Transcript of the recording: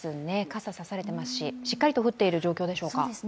傘さされてますし、しっかりと降っている状況でしょうか。